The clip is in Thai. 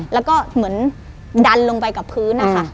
แล้วก็เหมือนดันลงไปกับพื้นนะคะ